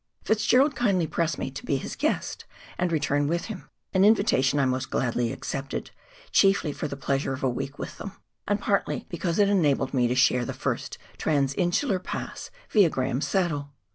Fitzgerald kindly pressed me to be his guest, and return with him, an invitation I most gladly accepted, chiefly for the pleasure of a week with them, and partly because it enabled me to share the first transinsular pass via Graham's Saddle.